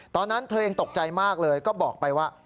ตอนนั้นเธอเองตกใจมากเลยก็บอกไปว่า